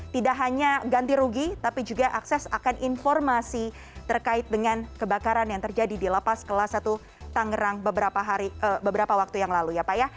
tidak hanya ganti rugi tapi juga akses akan informasi terkait dengan kebakaran yang terjadi di lapas kelas satu tangerang beberapa waktu yang lalu ya pak ya